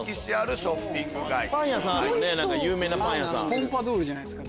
ポンパドウルじゃないですか？